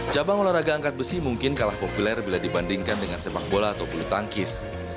cabang olahraga angkat besi mungkin kalah populer bila dibandingkan dengan sepak bola atau bulu tangkis